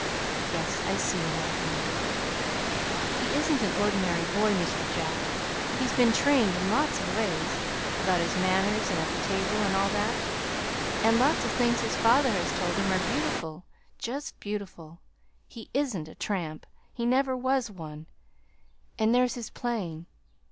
"Yes, I see," nodded the man. "He isn't an ordinary boy, Mr. Jack. He's been trained in lots of ways about his manners, and at the table, and all that. And lots of things his father has told him are beautiful, just beautiful! He isn't a tramp. He never was one. And there's his playing.